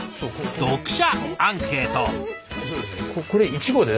読者アンケート。